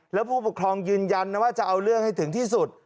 แล้วผู้ปกครองยืนยันนะว่าจะเอาเรื่องให้ถึงที่สุด